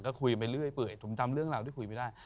ก็คุยไปเรื่อยเปื่อยผมจำเรื่องราวที่คุยไม่ได้